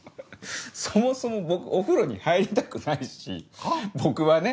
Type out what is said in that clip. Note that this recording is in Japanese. そもそも僕お風呂に入りたくないし僕はね。